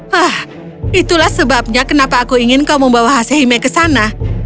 hah itulah sebabnya kenapa aku ingin kau membawa hasehime ke sana